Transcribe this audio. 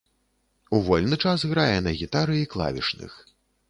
У вольны час грае на гітары і клавішных.